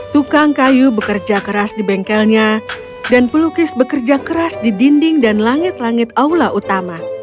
tukang kayu bekerja keras di bengkelnya dan pelukis bekerja keras di dinding dan langit langit aula utama